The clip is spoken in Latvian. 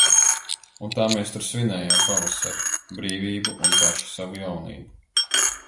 Un tā mēs tur svinējām – pavasari, brīvību un paši savu jaunību.